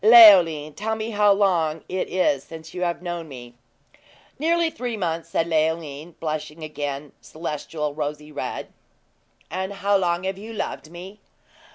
"Leoline, tell me how long it is since you've known me?" "Nearly three months," said Leoline, blushing again celestial rosy red. "And how long have you loved me?"